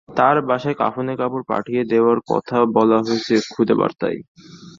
তাঁর বাসায় কাফনের কাপড় পাঠিয়ে দেওয়ার কথা বলা হয়েছে খুদে বার্তায়।